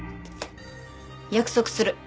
約束する。